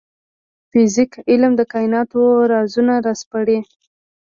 فزیک علم د کایناتو رازونه راسپړي